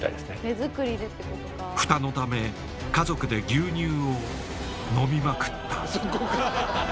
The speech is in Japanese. フタのため家族で牛乳を飲みまくったそこか！